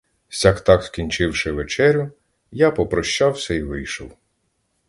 Сяк-так скінчивши вечерю, я попрощався й вийшов.